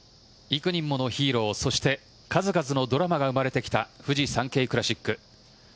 幾人ものヒーローそして数々のドラマが生まれてきたフジサンケイクラシック。